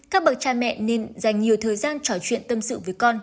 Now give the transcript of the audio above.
các bậc cha mẹ nên dành nhiều thời gian trò chuyện tâm sự với con